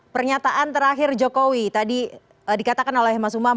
pernyataan terakhir jokowi tadi dikatakan oleh mas umam